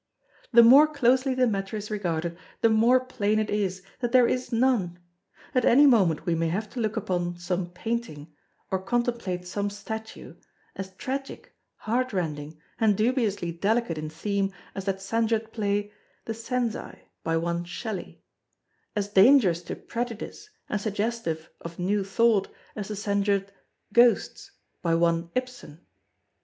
The more closely the matter is regarded, the more plain it is, that there is none! At any moment we may have to look upon some painting, or contemplate some statue, as tragic, heart rending, and dubiously delicate in theme as that censured play "The Cenci," by one Shelley; as dangerous to prejudice, and suggestive of new thought as the censured "Ghosts," by one Ibsen.